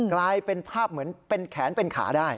กลายเป็นภาพเหมือนเป็นแขนเป็นขาได้